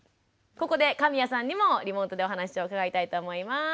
ここで神谷さんにもリモートでお話を伺いたいと思います。